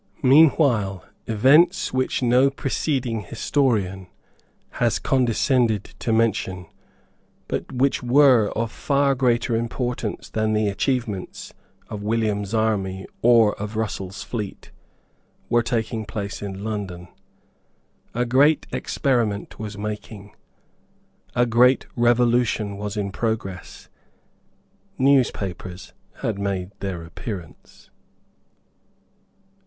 Meanwhile events which no preceding historian has condescended to mention, but which were of far greater importance than the achievements of William's army or of Russell's fleet, were taking place in London. A great experiment was making. A great revolution was in progress. Newspapers had made their appearance.